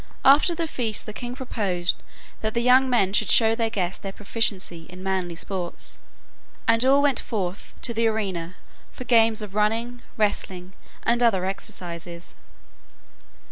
After the feast the king proposed that the young men should show their guest their proficiency in manly sports, and all went forth to the arena for games of running, wrestling, and other exercises.